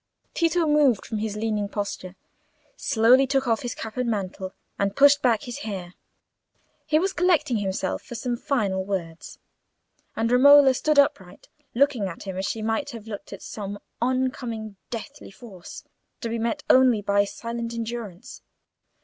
Tito moved from his leaning posture, slowly took off his cap and mantle, and pushed back his hair. He was collecting himself for some final words. And Romola stood upright looking at him as she might have looked at some on coming deadly force, to be met only by silent endurance.